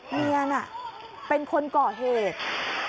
เมียน่ะเป็นคนก่อเหตุ